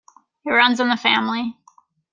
It runs in the family.